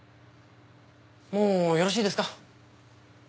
もうよろしいですか？